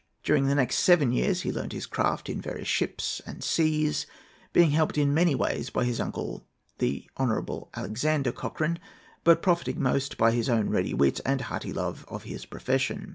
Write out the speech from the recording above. During the next seven years he learnt his craft in various ships and seas, being helped in many ways by his uncle, the Hon. Alexander Cochrane, but profiting most by his own ready wit and hearty love of his profession.